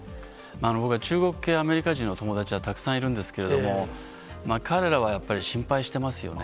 僕は中国系アメリカ人の友達はたくさんいるんですけれども、彼らはやっぱり心配してますよね。